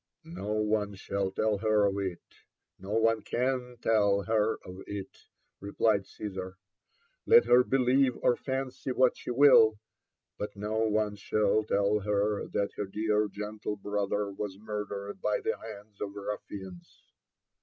''No ope shall tell her of it — no one can tell her of it," replied Caesar; 'Met her believe or fancy what she will, but no one shall tell her that her dear gentle brother was murdered by the hands of ruf fians."